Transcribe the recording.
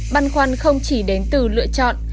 băn khoăn không chỉ đến từ lựa chọn